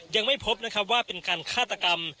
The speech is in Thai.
ยังไม่พบว่าเป็นการฆาตกรรม